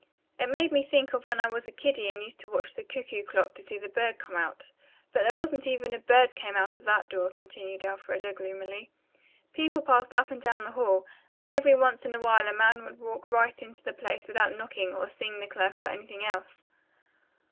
It made me think of when I was a kiddie and used to watch the cuckoo clock to see the bird come out. But there wasn't even a bird came out of that door," continued Elfreda gloomily. "People passed up and down the hall, and every once in a while a man would walk right into the place without knocking, or seeing the clerk, or anything else.